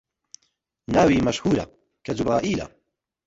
ناوی مەشهوورە، کە جوبرەئیلە